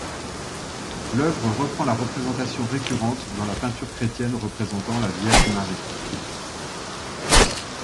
L'œuvre reprend la représentation récurrente dans la peinture chrétienne représentant la Vierge Marie.